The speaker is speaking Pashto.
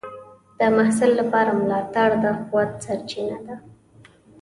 د محصل لپاره ملاتړ د قوت سرچینه ده.